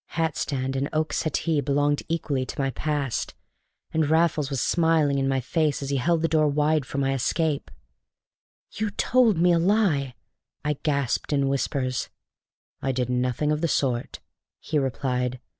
Hat stand and oak settee belonged equally to my past. And Raffles was smiling in my face as he held the door wide for my escape. "You told me a lie!" I gasped in whispers. "I did nothing of the sort," he replied.